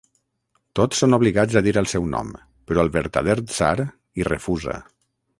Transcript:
Tots són obligats a dir el seu nom, però el vertader tsar hi refusa.